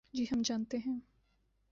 جی ہم جانتے ہیں۔